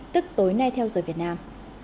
tức tối nay theo giờ việt nam